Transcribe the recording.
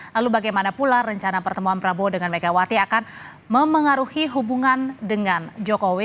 lalu bagaimana pula rencana pertemuan prabowo dengan megawati akan memengaruhi hubungan dengan jokowi